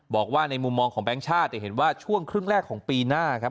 บอกว่าในมุมมองของแบงค์ชาติเห็นว่าช่วงครึ่งแรกของปีหน้าครับ